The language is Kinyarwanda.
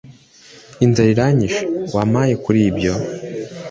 inzara iranyishe Wampaye kuri ibyo